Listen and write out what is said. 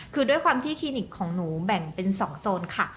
คือด้วยความที่คลินิกของหนูแบ่งเป็น๒โซนค่ะ